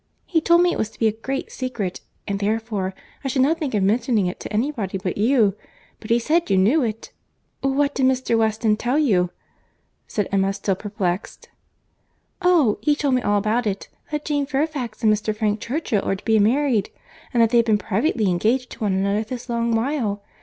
He told me it was to be a great secret; and, therefore, I should not think of mentioning it to any body but you, but he said you knew it." "What did Mr. Weston tell you?"—said Emma, still perplexed. "Oh! he told me all about it; that Jane Fairfax and Mr. Frank Churchill are to be married, and that they have been privately engaged to one another this long while.